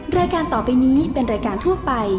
รายการต่อไปนี้เป็นรายการทั่วไป